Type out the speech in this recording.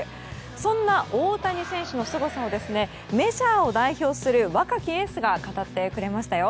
そんな、大谷選手のすごさをメジャーを代表する若きエースが語ってくれましたよ。